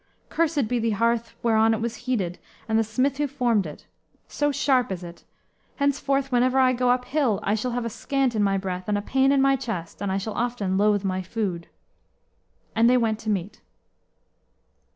Cursed be the hearth whereon it was heated, and the smith who formed it! So sharp is it! Henceforth, whenever I go up hill, I shall have a scant in my breath, and a pain in my chest, and I shall often loathe my food." And they went to meat.